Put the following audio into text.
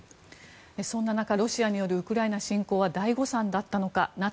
そんな中、ロシアによるウクライナ侵攻は大誤算だったのか。